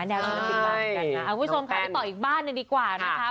ใช่ทุกคนค่ะต่ออีกบ้านหนึ่งดีกว่านะคะ